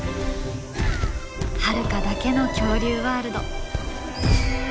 ハルカだけの恐竜ワールド。